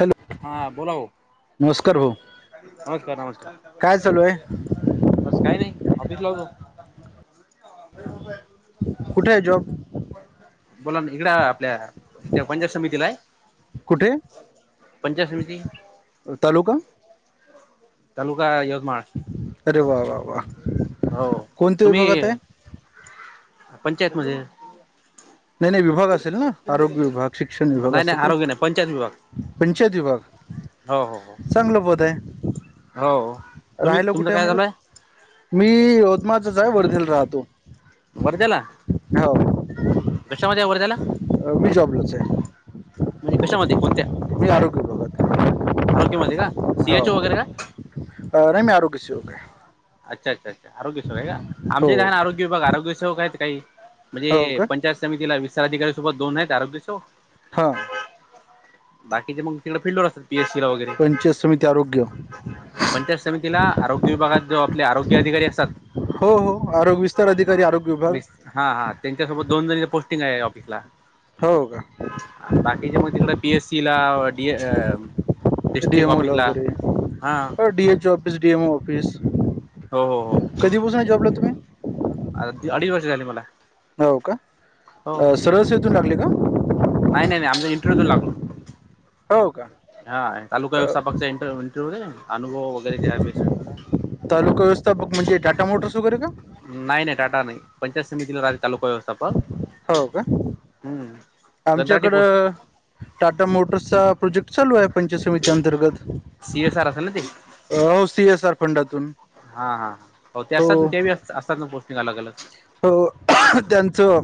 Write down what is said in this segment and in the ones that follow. Hello हा बोला ओ, नमस्कार भाऊ नमस्कार काय चालू आहे -नमस्कार आज काही नाही ऑफिस ला होतो. कुठे आहे जॉब बोला ना इकड आपल्या पंचायत समितीलाय. कुठे? पंचायत समिती. तालुका? तालुका यवतमाळ अरे वा वा वा हो, कोणत्या तुम्ही विभागात आहे पंचायत मध्ये. नाही नाही विभाग असेल ना आरोग्य विभाग, शिक्षण विभाग नाही असं नाही काही. आरोग्य [unintelligible] हो पंचायत विभाग हो हो चांगलं पद आहे हो तुम्ही राहिल तुमचं कुठे काय मग? चालू आहे मी यवतमाळचाच आहे, वरधीला राहतो. वर्ध्याला, हो कशामध्ये वर्ध्याला? मी जॉबलाच आहे. म्हणजे कशामध्ये कोणत्या? मी आरोग्य विभागात आरोग्यामध्ये का सी एच ओ वगैरे का? अरे मी आरोग्य सेवक ‌हाय. अच्छा, अच्छा, अच्छा, आरोग्य सेवक आहे का, हो आमच्या इथं ना आरोग्य विभाग आरोग्य सेेवक आहेत काही. म्हणजे, हो का पंचायत समितीला विस्तार अधिकारी सोबत दोन आहेत आरोग्य सेवक. हा. बाकीचे मग तिकडे फिल्ड वर असतात. [unintelligible] ला वगैरे पंचायत समिती आरोग्य पंचायत समितीला आरोग्य विभागात जो आरोग्य अधिकारी असतात हो, हो, आरोग्य विस्तार अधिकारी आरोग्य विभाग- वीस हा, हा, त्यांच्यासोबत दोन जणी पोस्टिंग आहे ऑफिसला. हो का? बाकीचे मग तिकडे पी एस सी ला डी अ.. - डिस्ट्रिक्ट डीएमओला ऑफिसला, वगैरे हा. हो, DH O [unintelligible] S D M office [unintelligible] हो, हो, हो. कधीपासून जॉबला आहे तुम्ही? आ अडीच वर्ष झाली मला. हो का? हो सरळ सेतू लागली का? नाही, नाही, नाही, आमचा इंटरव्ह्यू देऊन लागलो, हो का हा तालुका अ, व्यवस्थापकचा इंटरव्ह्यू. त्या अनुभव वगैरे त्या्या भेसू आपल्याला [unintelligible] तालुका व्यवस्थापक म्हणजे, टाटा मोटर्स वगैरे का? नाही, नाही टाटा नाही, पंचायत समितीला [unintelligible] तालुका व्यवस्थापक. हो का हम्म. कंत्राटी पोस्ट आमच्याकडं टाटा मोटर्सचा प्रोजेक्ट चालू आहे. पंचायत समती अंतर्गत, सी एस आर असेल ना ते सी एस आर फंडातून. हा, हा, हो ते असतात ना, ते अस असतात ना पोस्टिंग अलग, अलग. हो, हो. त्यांचं.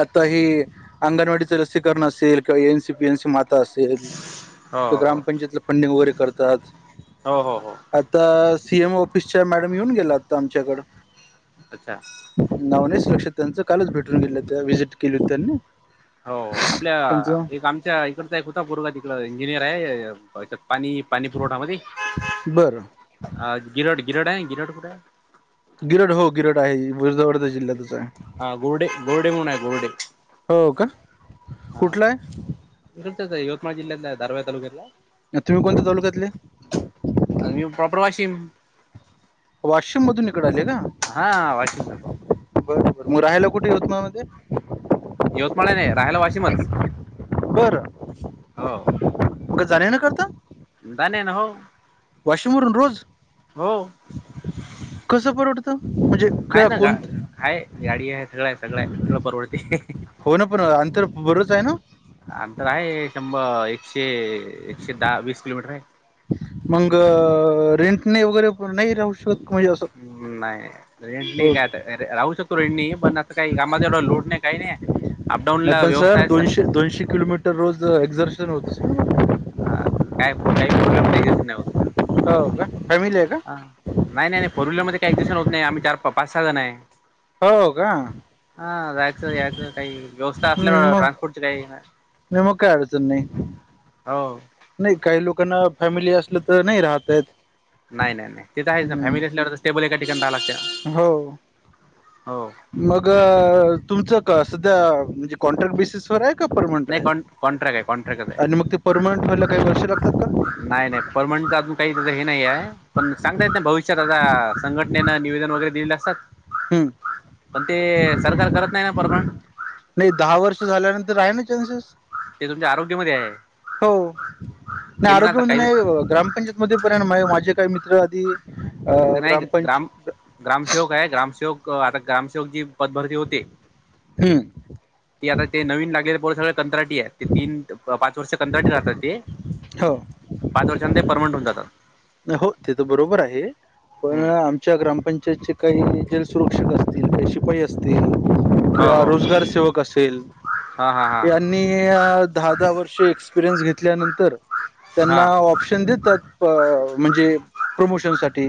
आता ही अंगणवाडीच लसीकरण असेल किंवा A N C P N C मा- र्फत असेल हो तर, हो ग्रामपंचायतला फंडिंग वगैरे करतात. हो हो हो आता सी एम ऑफिसच्या मॅडम येऊन गेला आता आमच्याकडं. अच्छा. नाव नाही सुरक्षित त्यांचं, कालच भेटून गेले हो व्हिजिट केली हो त्यांनी. हो, आपल्या त्यांचं एक आमच्या इकडचा एक होता पोरगा तिकड इंजिनियर आहे पाणी- पाणी पुरवठामध्ये, बरं अ. गिरड, गिरड आहे गिरट कुठ आहे? गिरड हो गिरड आहे जव [unintelligible] ह गोडे गोरडे म्हून आहे गोडडे [unintelligible] कुठलंय? [unintelligible] गात यवतमाळ जिल्हात तालुकेला तुम्ही कोणत्या तालुक्यातले? आर मी प्रॉपर वाशिम. वाशिम मधून इकड आले का? हा वाशिंग बरोबर मग राहिला कुठे होत म मध्ये यवतमाळने राहायला वाशिमच हो. म का जाण ना करता जाान ना हो. वाशमरून रोज हो. कस परवडत म्हणजे ह क ना गा कोण हय गाडी आहे सगळं आहे सगळं सगळं परवडते. हो ना पण अंतर बरच आहे ना. अंतर आहे शंभर एकशे एकशे दहा वीस किलोमीटर आहे. मग रेंटने वगैरे हो नाही राू शोतक म्हज अस नाही रेंटनी हो. काय राहू शकतो रेडणी पण आता काही कामाचा एवढा लोड नाही काही नाही. अपडाऊन नाही ला पण सर व्यवस्था आहे दोनशे दोनशे किलोमीटर रोज एक्झर्शन होत. ह काय काही फोरले मस नाही. हो का फॅमिली आहे का? हा नाही नाही नाही फोरविलर मध्ये काहीक् दिशन होत नाही आम्ही चार पाच सहा जण आहे. हो का? हा त्याच याच काही व्यवस्था असल्यावर ट्रान्सपोर्टची काही मी मुका आडच नाही. हो. नाही काही लोकांना फॅमिली असलं तर नाही राहतयत. नाही नाही नाही ते त आहेचन फॅमिली असल्यावर स्टेबल एकाच ठिकाणी राहायला लागते ना. हो. हो. मग तुमचं का सध्या म्हणजे कॉन्ट्रॅक्ट बेसिस वर आहे. परमनंट नाही आहे कॉन् कॉन्ट्रॅक्ट आहे कॉन्ट्रॅक्टच आहे. आणि मग ते परमनंट व्हायला काही वर्ष लागतात का? नाही नाही परमनंटच अजून काही त्याचं हे नाही आहे. पण सांगतायेत ना भविष्यात आता संघटनेनं निवेदन वगैरे दिले असतात. हम्म पण ते सरकार करत नाही ना परमाड नाही दहा वर्ष झाल्यानंतर आहे ना चान्सेस. ते तुमच्या आरोग्यामध्ये आहे हो नाही केली ना आरोग्य आता म्हण काही नाही ग्राम पंचायत म पर्यंत माझे काही मित्र आधी अ नाही ग्रामपंच ग्राम ग्रामसेवक आहे ग्रामसेवक आता ग्रामसेवक जी पदभरती होते. हम्म ते आता ते नवीन लागलेले पढ सगळ कंत्राटी आहेत ते तीन पाच वर्ष कंत्राटी राहात ते हो. पाच वर्षां ते परमंटन होऊन जात. हो ते तर बरोबर आहे पण हम्म आम च्या ग्रामपंचायतचे काही जलसरक्षक असतील काही शिपाई असतील. हो किंवा हो रोजगार सेवक असेल. हां हां हां त्यानी दहा-दहा वर्षे एक्सपीरियंस घेतल्यानंतर त्यांना हां ऑप्शन देतात म्हणजे प्रमोशन साठी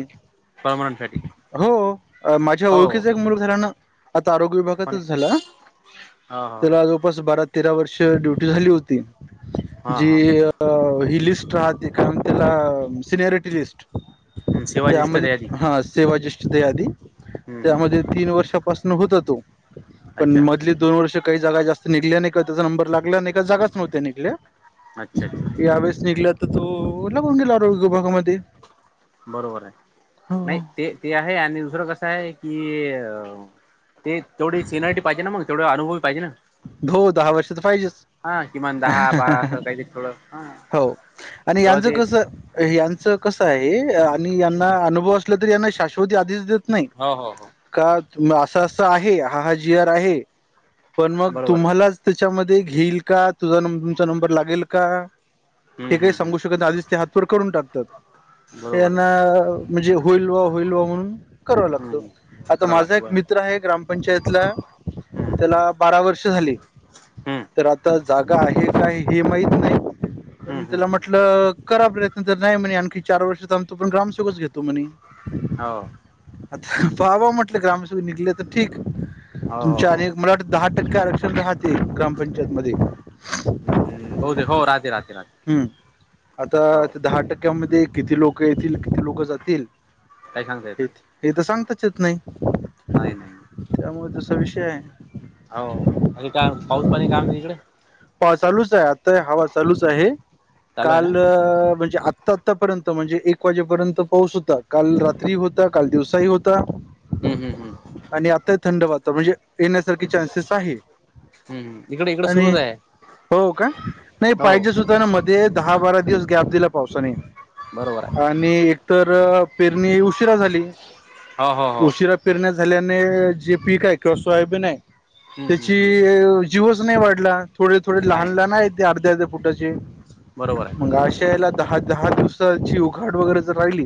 परमनंटसाठी हो माझ्या हो हो ओळखीचा एक मुल घरानआता आरोग्य हो विभाग झा त्याला हो जवळपास बारा तेरा वर्ष ड्युटी झाली होती. हां जी हां अ ही लिस्ट राहते काय म त्याला सिनरीट. लिस्ट शिवाय ज्येष्ठ यादी त्यामध्ये हा सेवा जस्ट. त्या आधी हम्म मध्ये हम्म तीन वर्षापासून होत तो पण अच्छा मधली. दोन वर्ष काही जागा जास्त निघल्या नाही का त्याचा नंबर लागला आणि का जागाचव्ह्या निघल्या. अच्छा अच्छा यावेेळेस निघल्या तर तो लागून गेला आरोग्य विभागामध्ये. बरोबर आहे हो नाही ते ते आहे आणि दुसरं कसं आहे. की ते तेवढी सिनरिटी पाहिजे ना मग तेवढ अनुभवी पाहिजे ना. हो दहा वर्ष तर पाहिजेच. हा किमान दहा बारा असं काहीतरी थोडं हा हो आणि तेव्हा यांचं ते कसं. यांचं कसं आहे आणि यांना अनुभव असला तरी यांना शाश्वती आधीश देत नाही. हो हो हो, का तुम्ही असं असं आहे हा हा जिअर आहे. पण मग बरोबर तुम्हालाच त्याच्यामध्ये घेईल का तुझा तुमचा नंबर लागेल का. आहे हम्म ते काही हम्म सांगू हम्म शकत आधीच ते हातपर करून टाकतात. बरोबर यांना आहे म्हणजे होईल वा होईल वा म्हणून कराव हम्म लागत. हम्म आता करावं माझा लागतं एक बरं मित्र आहे ग्रामपंचायतला. हम्म. त्याला बारा वर्ष झाली हम्म तर आता जागा आहे काय हे माहित नाही. पण हम्म हम्म त्याला हम्म म्हटलं. करा प्रयत्न तर नाही म्हणे आणखी चार वर्षच थांबतोपण ग्रामसेवक च घेतो म्हणे. हो, आता पाबा म्हटलं ग्रामसेब निघले तर ठीक हो हो तुमच्या हो अनेक. मल वाटते दहा टक्के आरक्षण राहा''--'' हम्म ग्रामपंचायत मध्ये हम्म बहुतेक हो राहते राहते राहते हम्म. हो आता दहा टक्क्यामध्ये किती लोक येतील किती लोक जातील. काही सांगता येत हे त सांगताच येत नाही. नाही नाही. त्यामुळे तसा विषय आहे. हो अरे काय पाऊस पाणी काय म्हण तिकडे. पा चालूच आहे आताय हवा चालूच आहे चालू आहे ना काल. अ म्हणजे आता आतापर्यंत म्हणजे एक वाजेपर्यंत पाऊस होता काल रात्री होता काल दिवसाही होता. त ''हं ''हं ''हं'' हं'' आणि आता थंड वातावरण म्हणजे येण्यासारखी चान्सेस आहे. हम्म इकडे इकडे आणि सुरूच आहे. हो का. हो. तर मध्ये दहा बारा दिवस गॅप दिला पावसाने. बरोबर आहे. आणि एकतर पेरणी उशिरा झाली हो हो हो उशिरा. पेरण्या झाल्याने जे पीक आहे किंवा सोयाबीन आहे हम्म हम्म त्याची. हम्म जीवच नाही वाढला थोडे थोडे लहान नाही लहान आहेत ते अर्ध्या अर्ध्या फुटाचे बरोबर आहे. मग असे. यायला दहा दहा दिवसाची उघाड वगैरे जर राहिली.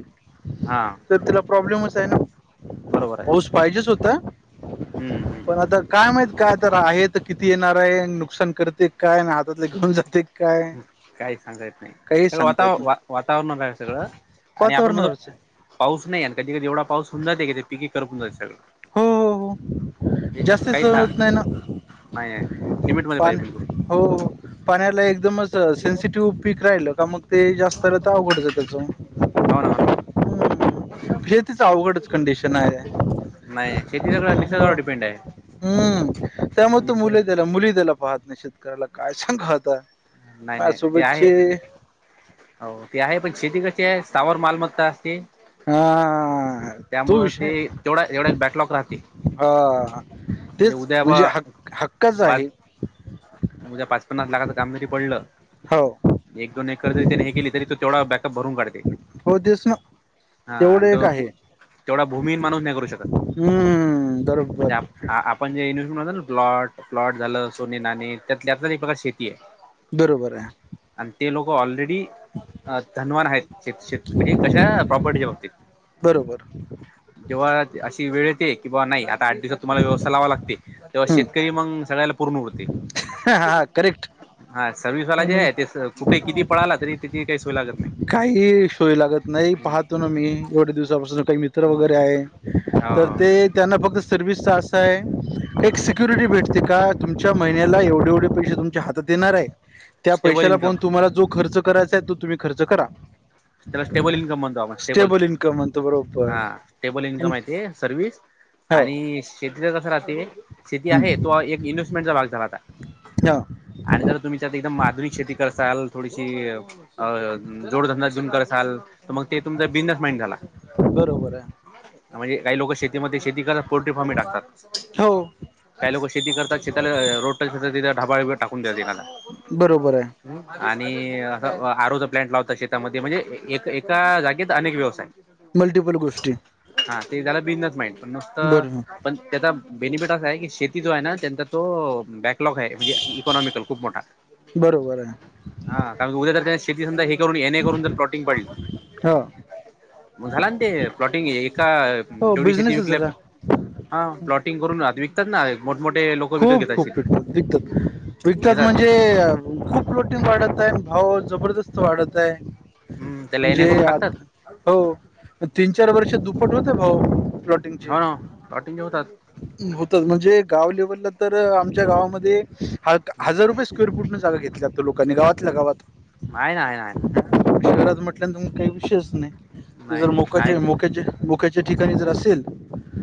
हा तर तिला प्रॉब्लेमच आहे ना बरोबर आहे. पाऊस पाहिजेच होता. हम्म पण हम्म. आता काय माहत काय तर आहे तर किती येणार आहे नुकसान करते काय हात. घेऊन जाते काय काही सांगता येत नाही. काही सगळं वाता सांगताय ना. वातावरण आहे सगळं आणि आपण म्हणतो [unintelligible] पाऊस नाही, अन कधी कधी एवढा पाऊस होन जाते कि ते पिकी करपून जाते सगळं. हो हो हो, जास्ती सहन होत नाही ना. नाहीये लिमिटमध्ये पाहिजे बिलकुल. पाणी हो. हो. पाण्याला एकदमच सेन्सिटिव्ह पीक राहील का? मग ते जास्त आलं तर अवघडच त्याचं. हो ना, हो ना. हे तिच अवघडच कंडिशन आहे. नाही शेती सगळ निसर्गावर त्यामुळं डिपेंडे. निसर्ग त्या मुलीही त्याला पाहत नाही शेतकऱ्याला, काय सांगवा आता. नाही मा नाही ते आहे. सोबतचे हो ते हाये. पण शेती कशीये? सावर मालमत्ता असते. हा तू त्यामुळं ते विषय, तेवढा एवढा [inaudible] एक बॅकलॉग राहते. हा. तेच उद्या म्हणजे, बा हक्क हक्काच पाच आहे. उद्या पाच पन्नास लाखाचं काम जरी पडलं, हो एक दोन एकर जरी त्याने हे केली, तरी त्याने तो तेवढा बॅकअप भरून काढते. हो तेच ना हा, तेवढं आणि एक तो आहे तेवढा भूमीहीन माणूस नाही करू शकत हम्म म्हणजे, बरोबर आप आपण जे इन्व्हेस्ट म्हणतो ना प्लॉट, प्लॉट झालं, सोने, नाणे. त्यात आपलं एक प्रकारची शेती आहे. बरोबर आहे. अन ते लोक ऑलरेडी अ धनवान आहेत श म्हणजे कशा प्रॉपर्टीच्या बाबतीत. बरोबर [inaudible] जेव्हा अशी वेळ येते की, बाबा, नाही आता आठ दिवसात तुम्हाला व्यवस्था लावा लागते. तेव्हा हम्म शेतकरी मग सगळ्याला पूर्ण उरते. हा-हा, हा, करेक्ट. हा सर्वि्हस वाला जे म्हणून हाये ते कुठे किती पळाला, तरी त्याची काही सोय लागत नाही. काही सोय लागत नाही. पाहतो ना मी एवढे दिवसापासून काही मित्र हम्म वगैरे आहे. हो तर ते त्यांना फक्त सर्विसच असाय, एक हम्म सिक्युरिटी भेटते का. तुमच्या महिन्याला एवढे-एवढे पैश तुमच्या हातात येणार आहे. त्या स्टेबल पैशाला इन्कम पाहुन तुम्हाला जो खर्च. करायच आहे तो तुम्ही खर्च करा. त्याला स्टेबल इन्कम म्हणतो आपण स्टेबल. इन्कम म्हणतो बरोबर हा स्टेबल इन्कम आहे ते सर्विस. हो आणि शेतीला कस राहते शेती आहे हम्म. तो एक इन्व्हेस्टमेंटचा भाग झाला आता. हा आणि जर तुम्हीच आता एकदम आधुनिक शेती करसाल. थोडीशी अ जोडधंदा सुरू करसाल. तर मग ते तुमचा बिझनेस माइंड झाला. बरोबर आहे म्हणजे काही लोक शेतीमध्ये शेती करत पोल्ट्री फॉमही टाकतात. हो काही लोक शेती करतात. शेताला रोटटच ढबाळ बिबाळ टाकून देतात. एकाला बरोबर आहे. आणि असं आरूचा प्लॅट लावता श [unintelligible] म्हणजे एका जागेत अनेक व्यवसाय. मल्टिपल गोष्टी. हा ते झालं बिझनेस माइंड पण नुसतं. बरोबर पण त्याचा बेनिफिट असा आहे की, शेती जो आहे ना त्यांचा तो बॅकलॉग आहे. म्हणजे इकॉनॉमिकल खूप मोठा, बरोबर आहे. हा कारण उद्या जर शेती समधा हे करून. हेणे करून जर प्लॉटिंग पाडली. हा मग झाला ना ते प्लॉटिंग एका हो तेवढी शेती बिझनेसच विकल्या झाला हा प्लॉटिंग करून [unintelligible] [unintelligible] ना मोठ, मोठे लोक विकत खूप, घेतात खूप शेती पिकतात, पिकतात, पिकतात घेतात म्हणजे खूप लोटीन वाढत आहे भाव जबरदस्त वाढत आहे हम्म त्याला एन ए म्हणजे करून आत टाकतात हो तीन, चार वर्षात दुपट होते भाऊ प्लॉटिंगचे हो ना प्लॉटिंग होतात होतच म्हणजे गाव लेव्हलला तर आमच्या गावामध्ये म्हणजे हजार रुपये स्क्वेअर फुट न जागा घेतली लोकांनी गावातल्या गावात हाय ना, हाय ना, हाय ना शहरात म्हटल्या तुम काही विषयच नाही ते नाही जर नाही मोकाचे आहे मोक्याचे मोक्याच्या ठिकाणी जर असेल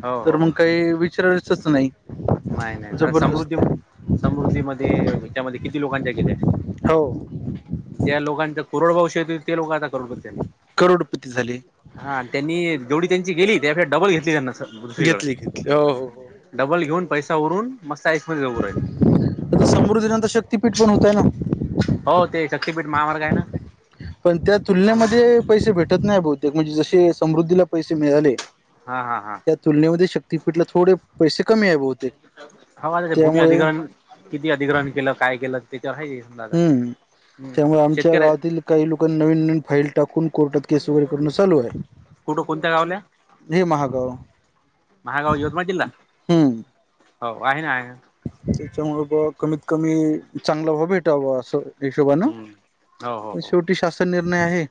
हो तर हो हो मग काही विचरायचंच नाही नाही, नाही आता समृद्धी, जबरदस्त आहे समृद्धी मध्ये त्याच्यामध्ये किती लोकांच्या गेल्या हो ज्या लोकांचा करोड भावष हो ते लोक आता करोडपती झाले करोडपती झाली हा त्यांनी जेवढी त्यांची गेली त्याशेय डबल घेतली त्यांन घेतली, घेतली हो, हो हो. डबल घेऊन पैसा उरून मस्त आईस मध्ये जऊ राहीले आता समृद्धीनंतर शक्तीपीठ पण होतय ना हो ते शक्तीपीठ महामार्ग आहे ना पण त्या तुलनेमध्ये पैसे भेटत नाही बहुतेक म्हणजे जसे समृद्धीला पैसे मिळाले हा, हा, हा त्या तुलनेमध्ये शक्तीपीठल थोडे पैसे कमी आहे बहुत हवा भूमी अधिग्रहण किती अधिग्रहण केलं काय केलं त्याच्यावर हाय हम्म त्यामुळे आमच्या गावातील काही लोकांना नवीन, नवीन फाईल टाकून कोर्टात केस वगैरे करणं चालू आहे कुठं कोणत्या गावल्या हे महागाव महागाव यवतमाळ जिल्हा हम्म हो आहे ना आहे ना त्याच्यामुळे बा कमीत कमी चांगला व भेटावं असं हिशोबाान हम्म. हो हो पण हो शेवटी शासन निर्णय आहे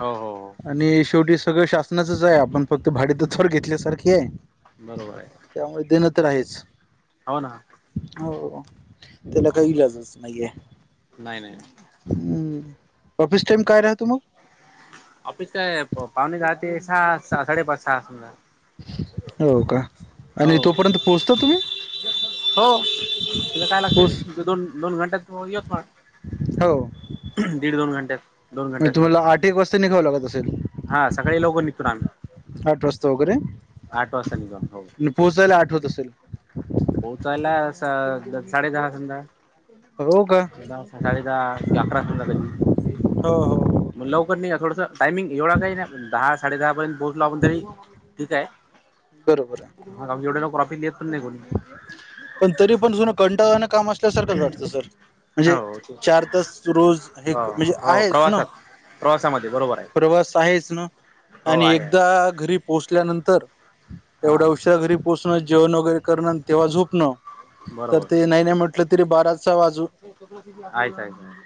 हो, हो आणि शेवटी सगळं शासनाचच आहे आपण फक्त भाडे तर थोर घेतल्यासारखी आहे बरोबर आहे त्यामुळे देणं तर आहेच हाव ना हो त्याला काहीइलाजच नाहीये नाही नाही. हम्म ऑफिस टाइम काय राह तु मग ऑफिस काय आहे पावणेदहा ते सहा, साडेपाच सहा समजा हो का आणि हो. तोपर्यंत पोहचता तुम्ही हो त्याला काय पोच लागतय दोन दोन घंट्यात यवतमाळ हो दीड दोन घंट्यात दोन म घंट्या समजा तुम्हाला आठ एक वाजता निघाव लागत असेल हा सकाळी लवकर निघतोना आठ वाजता वगैरे, वाजता निघून हो नी पोहोचायला आठ होत असेल. पोहचायला सं साडे दहा संधा हो का? सकाळी दहा अकरा संजा कधी. हो हो. मग लवकर निघा थोडस, टायमिंग एवढा काही नाही दहा साडे दहा पर्यंत पोहोचलो आपण तरी. ठीक आहे बरोबर आहे. मग आम्ही एवढे लव [unintelligible] लेत पण नाही कोणी पण तरी पण जुनं कंटाळवाण काम असल्यासारखंच वाटतं सर. म्हणजे हो चार तास रोज हो हेक म्हणजे हो आहेच ना. प्रवासात प्रवासामध्ये बरोबर आहे प्रवास आहेच न, हो आणि आहे आहे एकदा घरी पोचल्यानंतर हां एवढ्या उशरा घरी पोचणं, जेवण वगैरे करणं न तेव्हा झोपणं. तर बरोबर ते नाही, नाही म्हटलं तरी बाराचा वाजू आइक, आइक.